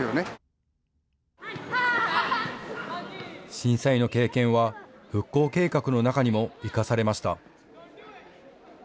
震災の経験は復興計画の中にも生かされました。